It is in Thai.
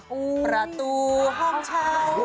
ประตูห้องเช่า